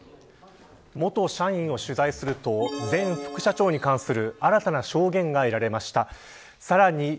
元社員を取材すると前副社長に関する新たな証言が得られました。